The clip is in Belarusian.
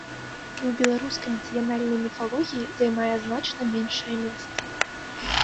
І ў беларускай нацыянальнай міфалогіі займае значна меншае месца.